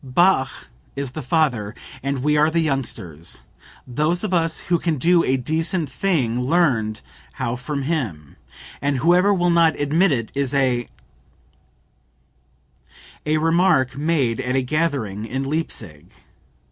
"Bach is the father, we are the youngsters. Those of us who can do a decent thing learned how from him; and whoever will not admit it is a..." (A remark made at a gathering in Leipsic.